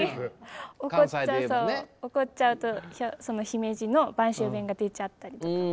怒っちゃうとその姫路の播州弁が出ちゃったりとか。